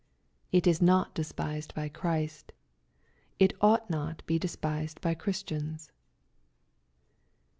It is not despised by Ohrist. It ought not to be despised by Christians.